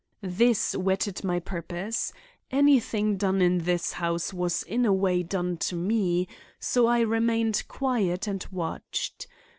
This whetted my purpose. Anything done in this house was in a way done to me; so I remained quiet and watched.